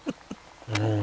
うん。